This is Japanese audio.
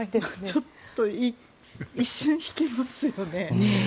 ちょっと一瞬引きますよね。